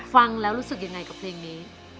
ฟังแล้วรู้สึกยังไงกับเพลงนี้